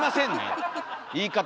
言い方！